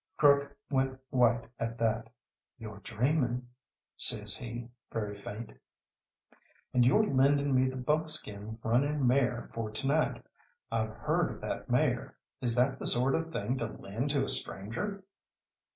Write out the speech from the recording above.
Crook went white at that. "You're dreaming," says he, very faint. "And you're lending me the buckskin running mare for to night. I've heard of that mare. Is that the sort of thing to lend to a stranger?"